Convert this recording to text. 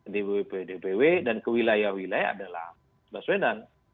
dwp dpw dan kewilayah wilayah adalah maswedan